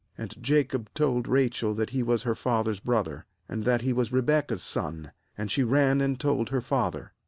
^And Jacob told Rachel that he was her father's brother, and that he was Rebekah's son; and she ran and told her father.